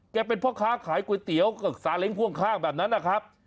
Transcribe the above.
เป็นพ่อค้าขายก๋วยเตี๋ยวกับสาเล้งพ่วงข้างแบบนั้นนะครับ